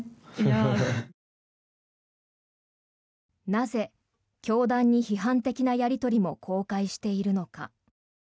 なぜ教団に批判的なやり取りも公開しているのか。